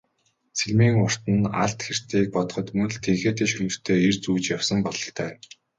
Сэлмийн урт нь алд хэртэйг бодоход мөн л тэнхээтэй шөрмөстэй эр зүүж явсан бололтой.